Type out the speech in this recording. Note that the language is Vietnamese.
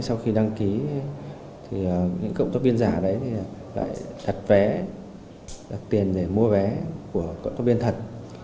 sau khi đăng ký những tổng tác viên giả lại đặt tiền để mua vé của tổng tác viên thật